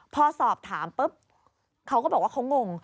พอสอบถามปุ๊บเขาก็บอกว่าเขางง